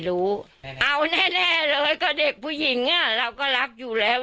รู้เอาแน่เลยก็เด็กผู้หญิงเราก็รักอยู่แล้ว